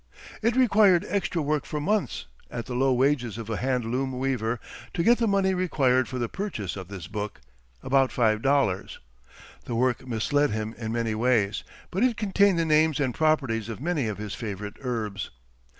It required extra work for months, at the low wages of a hand loom weaver, to get the money required for the purchase of this book, about five dollars. The work misled him in many ways, but it contained the names and properties of many of his favorite herbs.